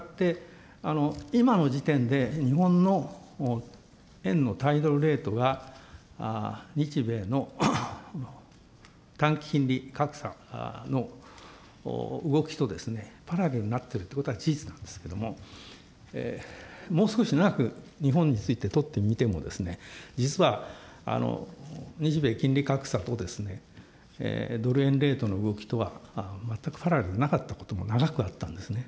したがって、今の時点で日本の円の対ドルレートが日米の短期金利格差の動きとパラレルになっているっていうことは事実なんですけれども、もう少し長く日本についてとってみても、実は日米金利格差とドル円レートの動きとは、まったくパラレルでなかったことも長くあったんですね。